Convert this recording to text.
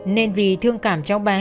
nên vì thương cảm cho bé